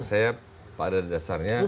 saya pada dasarnya